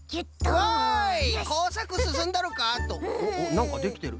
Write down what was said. なんかできてる。